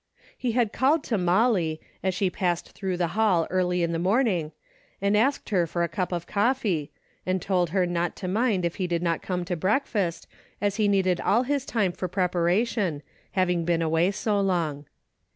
He had called to Molly, as she passed through the hall early in the morning, and asked her for a cup of coffee, and told her not to mind if he did not come to breakfast, as he needed all his time for prep aration, having been away so long.